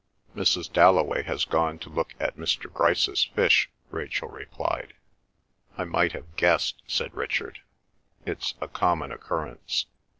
"Mrs. Dalloway has gone to look at Mr. Grice's fish," Rachel replied. "I might have guessed," said Richard. "It's a common occurrence.